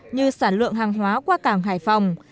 như sản lượng hàng hóa qua cảng hải phòng